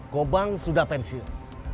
kobang sudah pensil